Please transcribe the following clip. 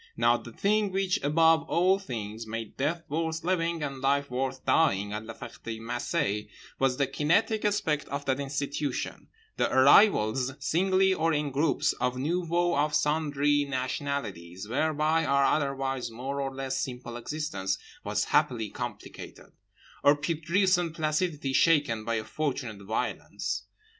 Now the thing which above all things made death worth living and life worth dying at La Ferté Macé was the kinetic aspect of that institution; the arrivals, singly or in groups, of nouveaux of sundry nationalities whereby our otherwise more or less simple existence was happily complicated, our putrescent placidity shaken by a fortunate violence.